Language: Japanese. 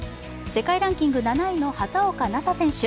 世界ランキング７位の畑岡奈紗選手